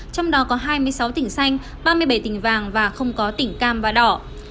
trong đó có hai mươi sáu tỉnh xanh ba mươi bảy tỉnh vàng và không có tỉnh cam và đỏ